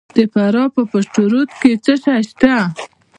د فراه په پشت رود کې څه شی شته؟